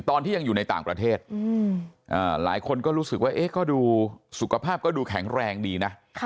ตอนที่ยังอยู่ในต่างประเทศหลายคนก็รู้สึกว่าก็ดูสุขภาพก็ดูแข็งแรงดีนะ